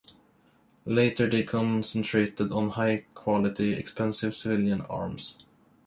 Later they concentrated on high-quality, expensive civilian arms.